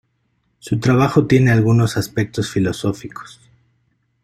Su trabajo tiene algunos aspectos filosóficos.